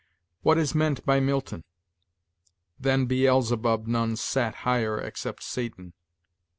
What is meant by Milton? 'Than Beelzebub, none sat higher, except Satan.'